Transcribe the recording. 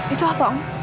itu apa om